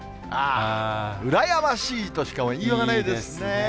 羨ましいとしか言いようがないですね。